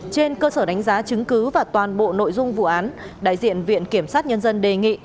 trên cơ sở đánh giá chứng cứ và toàn bộ nội dung vụ án đại diện viện kiểm sát nhân dân đề nghị